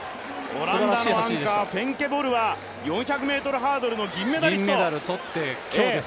オランダのアンカー、ボルは４００ｍハードルの銀メダリスト。